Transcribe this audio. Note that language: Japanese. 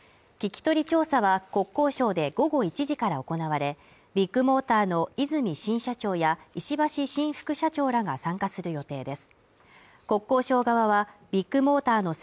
聞き取り調査は国交省で午後１時から行われビッグモーターの和泉新社長や石橋新副社長らが参加する予定です